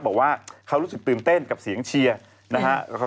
บอกว่าเขารู้สึกตื่นเต้นกับเสียงเชียร์นะฮะ